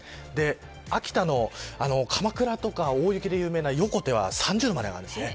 秋田のかまくらとか大雪で有名な横手は、３０度まで上がります。